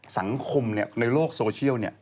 สังคมในโลกโซเชียลเนี่ย